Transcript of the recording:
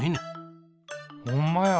ほんまや。